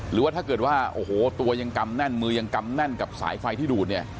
หรือว่าถ้าเกิดว่าโอ้โหตัวยังกำแน่นมือยังกำแน่นกับสายไฟที่ดูดเนี่ย